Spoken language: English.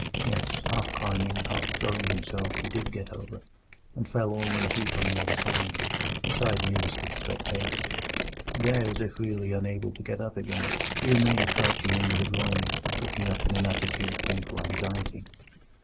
Yes; half climbing, half throwing himself, he did get over, and fell all in a heap on the other side (the side nearest to the spectator). There, as if really unable to get up again, he remained crouching under the groyne, looking up in an attitude of painful anxiety.